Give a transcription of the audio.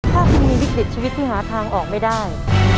ถ้าคุณมีวิกฤตชีวิตที่หาทางออกไม่ได้